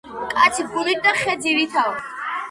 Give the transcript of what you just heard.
კაცი გულით და ხე ძირითაო